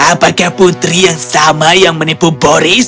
apakah putri yang sama yang menipu boris